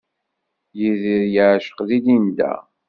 Yidir yeɛceq di Linda.